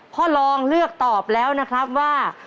พ่อรองเลือกตอบแล้วนะครับว่า